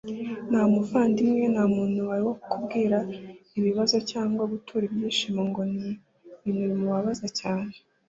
nta muvandimwe nta muntu wawe wo kubwira ikibazo cyangwa gutura ibyishimo ngo ni ibintu bimubabaza cyane